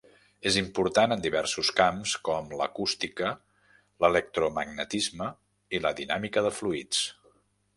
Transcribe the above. És important en diversos camps com l'acústica, l'electromagnetisme i la dinàmica de fluids.